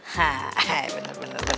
hmm mana dia